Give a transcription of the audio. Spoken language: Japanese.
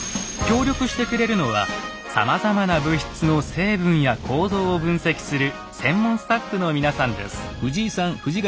協力してくれるのはさまざまな物質の成分や構造を分析する専門スタッフの皆さんです。